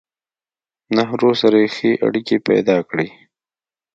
نهرو سره يې ښې اړيکې پېدا کړې